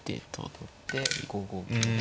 取って５五桂で。